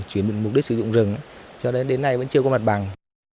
chuyển mục đích sử dụng rừng cho đến nay vẫn chưa có mặt bằng